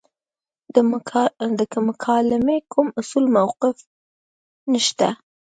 د مکالمې کوم اصولي موقف نشته.